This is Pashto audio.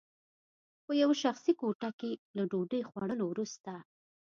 په یوه شخصي کوټه کې له ډوډۍ خوړلو وروسته